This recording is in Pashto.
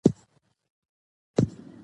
د باور فضا مهمه ده